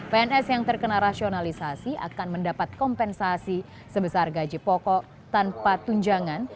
pns yang terkena rasionalisasi akan mendapat kompensasi sebesar gaji pokok tanpa tunjangan